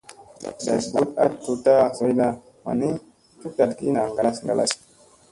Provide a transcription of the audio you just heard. Ndat mbut a tut tutta zoyna wan ni ,cuk tat ki naa ngalas ngalas.